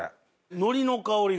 海苔の香りが。